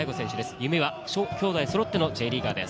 夢は兄弟そろってのＪリーガーです。